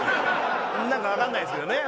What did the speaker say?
何かわかんないですけどね。